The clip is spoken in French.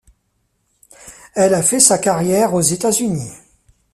Elle a fait sa carrière aux États-Unis.